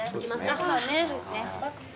そうですね。